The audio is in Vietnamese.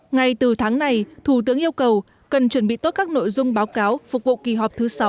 ngay từ tháng này thủ tướng yêu cầu cần chuẩn bị tốt các nội dung báo cáo phục vụ kỳ họp thứ sáu